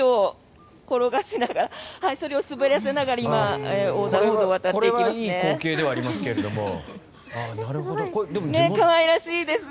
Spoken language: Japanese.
そりを滑らせながら今横断歩道を渡っていきますね。